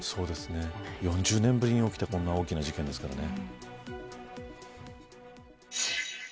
４０年ぶりに起きた大きな事件ですからね。